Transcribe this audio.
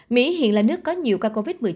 mỹ hiện là nước có nhiều ca covid một mươi chín